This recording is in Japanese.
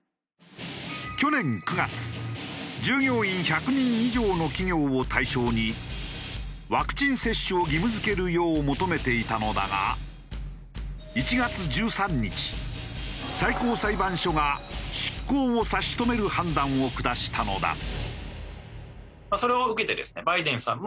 去年９月従業員１００人以上の企業を対象にワクチン接種を義務付けるよう求めていたのだが１月１３日最高裁判所が執行を差し止める判断を下したのだ。